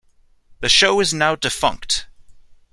The show is now defunct.